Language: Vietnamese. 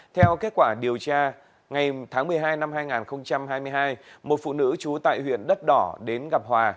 theo kết quả điều tra ngày tháng một mươi hai năm hai nghìn hai mươi hai một phụ nữ trú tại huyện đất đỏ đến gặp hòa